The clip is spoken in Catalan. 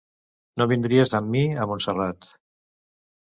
No vindries amb mi a Montserrat.